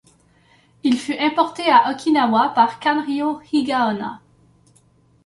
Il fut importé à Okinawa par Kanryo Higaonna.